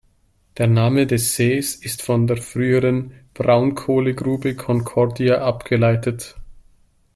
Der Name des Sees ist von der früheren "Braunkohlegrube Concordia" abgeleitet.